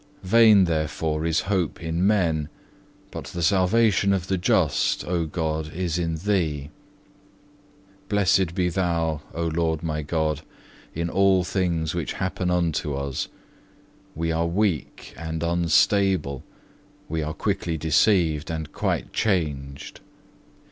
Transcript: Vain therefore is hope in men, but the salvation of the just, O God, is in Thee. Blessed be thou, O Lord my God, in all things which happen unto us. We are weak and unstable, we are quickly deceived and quite changed.